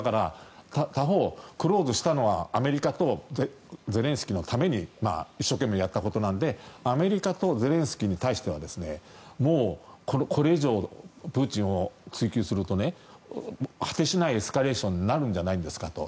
他方、クローズしたのはアメリカとゼレンスキーのために一生懸命やったことなのでアメリカとゼレンスキーに対してはもうこれ以上プーチンを追及すると果てしないエスカレーションになるんじゃないですかと。